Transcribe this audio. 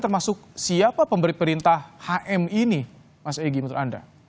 termasuk siapa pemberi perintah hmi ini mas egy menurut anda